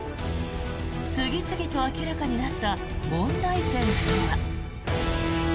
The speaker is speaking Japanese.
次々と明らかになった問題点とは。